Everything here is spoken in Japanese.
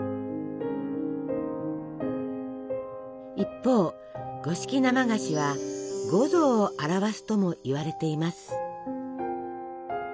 一方五色生菓子は五臓を表すともいわれています。